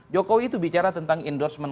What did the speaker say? jokowi itu bicara tentang endorsement